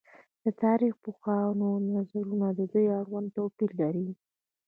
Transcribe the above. د تاريخ پوهانو نظرونه د دوی اړوند توپير لري